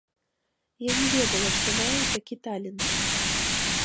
Я не ведала, што маю такі талент.